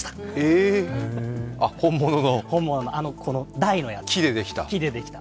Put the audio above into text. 台のやつ、木でできた。